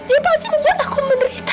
dia pasti membuat aku menderita